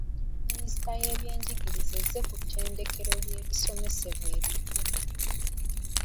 Minisitule y'ebyenjigiriza ezze ku nteekateeka y'ebisomesebwa empya.